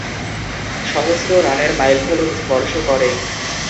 সহস্র রানের মাইলফলক স্পর্শ করেন।